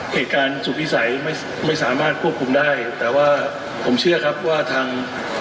เหตุการณ์สุดวิสัยไม่ไม่สามารถควบคุมได้แต่ว่าผมเชื่อครับว่าทาง